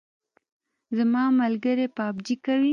زما ملګری پابجي کوي